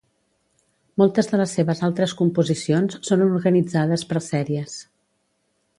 Moltes de les seves altres composicions són organitzades per sèries.